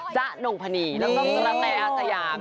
จ๊ะนงพณีน้องกระแต้อาสยาม